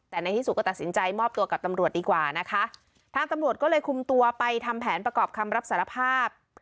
แต่ในที่สุดก็ตัดสินใจมอบตัวกับตำรวจดีกว่านะคะทางตำรวจก็เลยคุมตัวไปทำแผนประกอบคำรับสารภาพ